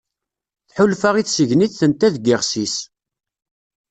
Tḥulfa i tseggnit tenta deg yiɣil-is.